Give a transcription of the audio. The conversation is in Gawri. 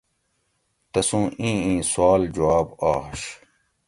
تسوں ایں ایں سوال جواب آش